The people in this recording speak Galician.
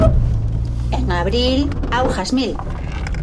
En abril, augas mil.